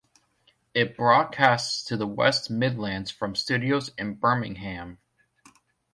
It broadcasts to the West Midlands from studios in Birmingham.